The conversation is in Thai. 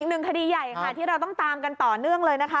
อีกหนึ่งคดีใหญ่ค่ะที่เราต้องตามกันต่อเนื่องเลยนะคะ